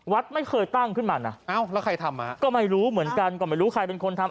วัดไม่เคยตั้งขึ้นมานะเอ้าแล้วใครทำอ่ะก็ไม่รู้เหมือนกันก็ไม่รู้ใครเป็นคนทำ